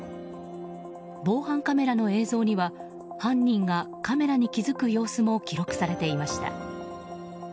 防犯カメラの映像には犯人がカメラに気づく様子も記録されていました。